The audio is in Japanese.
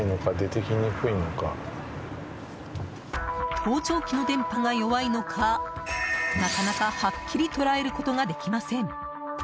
盗聴器の電波が弱いのかなかなか、はっきり捉えることができません。